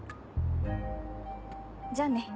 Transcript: じゃあね。